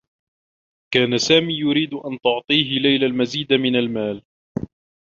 كان سامي يريد أن تعطيه ليلى المزيد من المال.